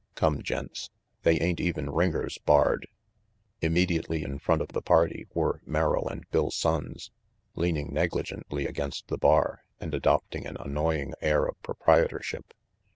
* Come, gents, they ain't even ringers barred." Immediately in front of the party were Merrill and Bill Sonnes, leaning negligently against the bar and adopting an annoying air of proprietorship.